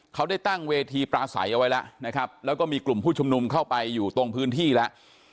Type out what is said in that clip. เขาได้ตั้งเวทีปลาใสเอาไว้แล้วนะครับแล้วก็มีกลุ่มผู้ชุมนุมเข้าไปอยู่ตรงพื้นที่แล้ว